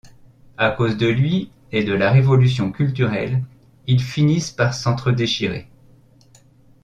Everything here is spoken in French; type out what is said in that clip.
À cause de lui et de la Révolution culturelle, ils finissent par s'entre-déchirer.